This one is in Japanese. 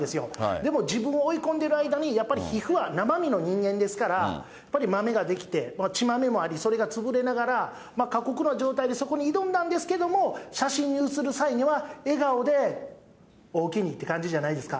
でも自分を追い込んでる間に、やっぱり皮膚は生身の人間ですから、やっぱりまめができて、血豆もあり、それが潰れながら、過酷な状態でそこに挑んだんですけども、写真に写る際には、笑顔でおおきにって感じじゃないですか。